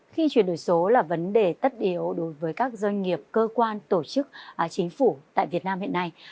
khi chuyển đổi số là vấn đề tất yếu đối với các doanh nghiệp cơ quan tổ chức chính phủ tại việt nam hiện nay